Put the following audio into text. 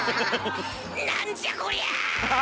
なんじゃこりゃ！